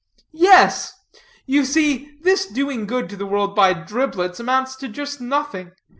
"Yes. You see, this doing good to the world by driblets amounts to just nothing.